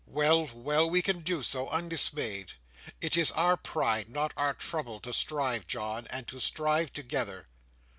Well, well! We can do so, undismayed. It is our pride, not our trouble, to strive, John, and to strive together!"